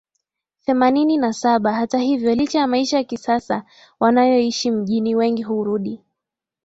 Themanini na saba Hata hivyo licha ya maisha ya kisasa wanayoishi mjini wengi hurudi